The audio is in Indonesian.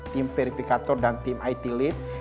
tim verifikator dan tim it lead